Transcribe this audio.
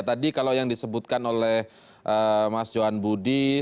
tadi kalau yang disebutkan oleh mas johan budi